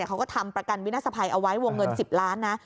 เขาก็ทำประกันวินาศภัยเอาไว้วงเงิน๑๐ล้านนะ